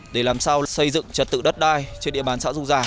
để làm sao xây dựng trật tự đất đai trên địa bàn xã du già